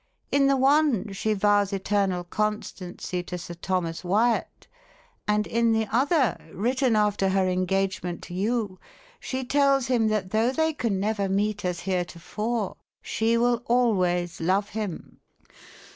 "In the one she vows eternal constancy to Sir Thomas Wyat, and in the other written after her engagement to you he tells him that though they can never meet as heretofore, she will always love him."